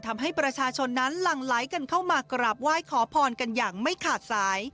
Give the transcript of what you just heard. ทำให้ประชาชนนั้นหลั่งไหลกันเข้ามากราบไหว้ขอพรกันอย่างไม่ขาดสาย